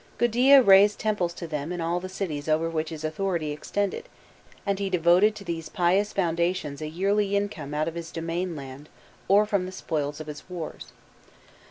Gudea raised temples to them in all the cities over which his authority extended, and he devoted to these pious foundations a yearly income out of his domain land or from the spoils of his wars.